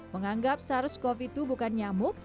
menganggap sars cov itu bukan nyamuk